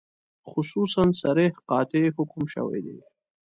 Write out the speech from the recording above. خصوصاً صریح قاطع حکم شوی دی.